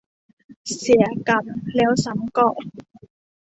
เสียกำแล้วซ้ำกอบ